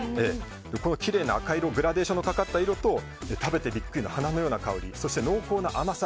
きれいな赤色グラデーションのかかった色と食べてビックリの花のような香りそして濃厚な甘さ